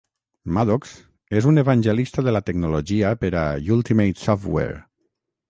Maddox és un evangelista de la tecnologia per a Ultimate Software.